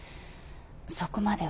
そこまでは。